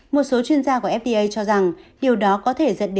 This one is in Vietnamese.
một số chuyên gia của fda cho rằng điều đó có thể dẫn đến nhiều biến thể